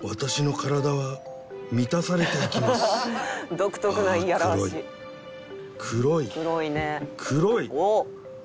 「独特な言い表し」「黒いね」